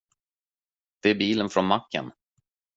Det är bilen från macken.